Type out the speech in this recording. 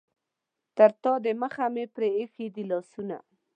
تر تا دمخه مې پرې ایښي دي لاسونه.